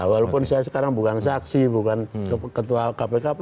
walaupun saya sekarang bukan saksi bukan ketua kpk